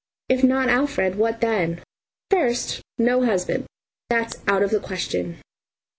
If not Alfred, what then? First no husband. That's out of the question!